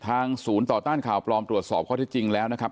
ศูนย์ต่อต้านข่าวปลอมตรวจสอบข้อที่จริงแล้วนะครับ